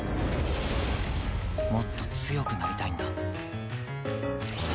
もっと強くなりたいんだ。